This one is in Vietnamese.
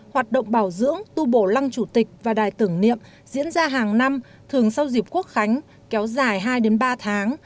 hoạt động bảo dưỡng tu bổ lăng chủ tịch và đài tưởng niệm diễn ra hàng năm thường sau dịp quốc khánh kéo dài hai ba tháng